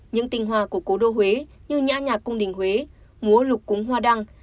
những tinh hoa của cố đô huế như nhã nhạc cung đình huế múa lục cúng hoa đăng